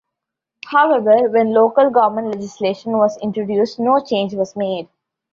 However, when local government legislation was introduced no change was made.